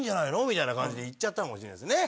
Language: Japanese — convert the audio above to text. みたいな感じでいっちゃったのかもしれない。